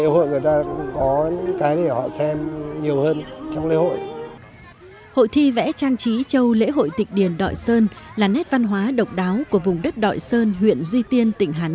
hội thi vẽ trang trí châu lễ hội tịch điển đội sơn là nét văn hóa độc đáo của vùng đất đội sơn huyện duy tiên